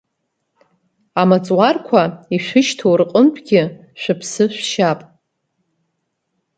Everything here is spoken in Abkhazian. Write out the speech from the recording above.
Амаҵуарқәа ишәышьҭоу рҟынтәгьы шәыԥсы шәшьап.